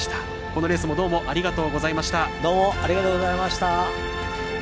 このレースもどうもありがとうございました。